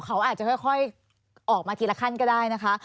เขาอาจจะค่อยออกมาทีละขั้นก็ได้นะคะ